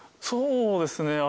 そうですね。